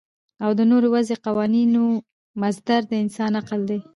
او د نورو وضعی قوانینو مصدر د انسان عقل دی